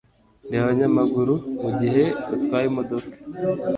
Reba abanyamaguru mugihe utwaye imodoka